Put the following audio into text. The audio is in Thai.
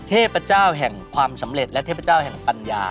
เทพเจ้าแห่งความสำเร็จและเทพเจ้าแห่งปัญญา